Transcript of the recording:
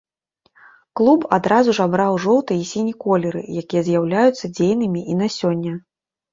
Клуб адразу ж абраў жоўты і сіні колеры, якія з'яўляюцца дзейнымі і на сёння.